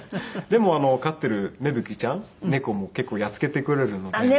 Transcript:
でも飼っている芽吹ちゃん猫も結構やっつけてくれるので。